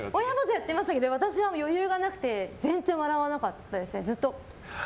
やってましたけど私は余裕がなくて全然笑わなかったですね。